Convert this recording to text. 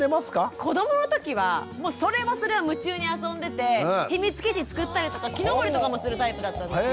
子どもの時はもうそれはそれは夢中にあそんでて秘密基地作ったりとか木登りとかもするタイプだったんですよ。